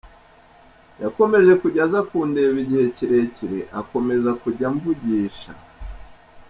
Yakomeje kujya aza kundeba igihe kirekire akomeza kujya amvugisha.